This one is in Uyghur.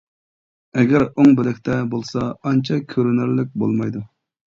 ئەگەر ئوڭ بۆلەكتە بولسا ئانچە كۆرۈنەرلىك بولمايدۇ.